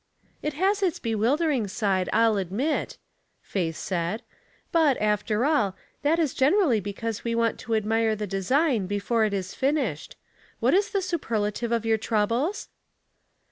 '' It has its bewildering side, I'll admit," Faith said ;" but, after all, that is generally because we want to admire the design before it is finished. What is the superlative of your troubles?